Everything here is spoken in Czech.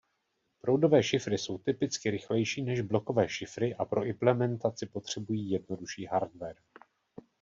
Proudové šifry jsou typicky rychlejší než blokové šifry a pro implementaci potřebují jednodušší hardware.